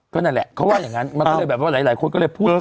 ก็นั่นแหละเขาว่าอย่างนั้นมันก็เลยแบบว่าหลายคนก็เลยพูด